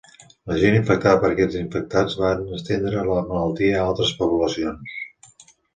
La gent infectada per aquests infectats van estendre la malaltia a altres poblacions.